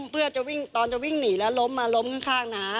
เพื่อจะวิ่งตอนจะวิ่งหนีแล้วล้มมาล้มข้างน้า